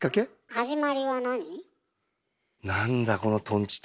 始まりは何？